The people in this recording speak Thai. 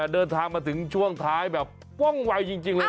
เดินทางมาถึงช่วงท้ายแบบว่องไวจริงเลย